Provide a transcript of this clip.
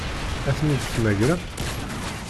Ad ten-id-temmagrem?